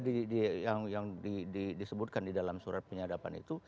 yang disebutkan di dalam surat penyadapan itu